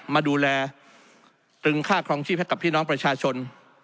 มาดูแลตึงค่าครองชีพให้กับพี่น้องประชาชน